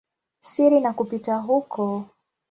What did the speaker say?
siri na kupita huko.